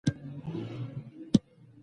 نور ځواکمن څوک نشته